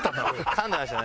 かんでましたね。